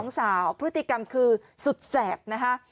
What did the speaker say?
สาวพฤติกรรมคือสุดแสบนะคะ